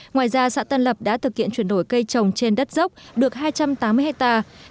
ngoài ra xã tân lập đã thực hiện chuyển đổi cây trồng trên đất dốc được hai trăm tám mươi hectare